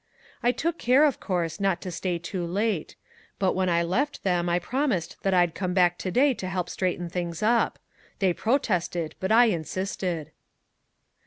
"I took care, of course, not to stay too late. But when I left them I promised that I'd come back to day to help straighten things up. They protested, but I insisted."